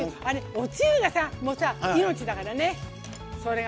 おつゆが命だからね。